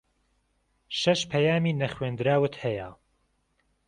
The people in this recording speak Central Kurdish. شەش پەیامی نەخوێندراوت ھەیە.